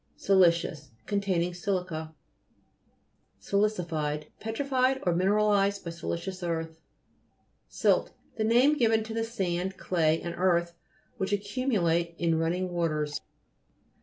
SILI'CIOUS Containing silica. SILI'CIFIED Petrified or mineralized by silicious earth. SILT The name given to the sand, clay, and earth which accumulate in running waters.